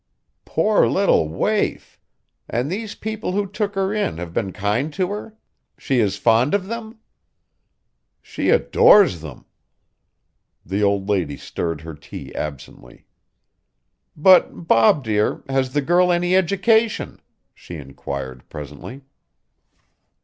"Poor little waif! And these people who took her in have been kind to her? She is fond of them?" "She adores them!" The old lady stirred her tea absently. "But, Bob dear, has the girl any education?" she inquired presently.